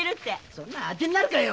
そんなの当てになるかよ。